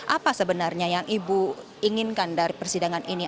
apa sebenarnya yang ibu inginkan dari persidangan ini